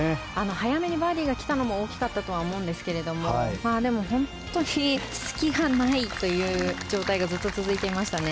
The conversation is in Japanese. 早めにバーディーが来たのも大きかったと思うんですがでも、本当に隙がないという状態がずっと続いていましたね。